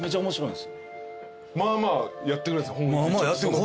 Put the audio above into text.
まあまあやってくれるんすか？